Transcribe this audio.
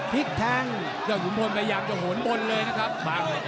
พลิกแทงยอดคุ้มพลพยายามจะห่วนบนเลยนะครับ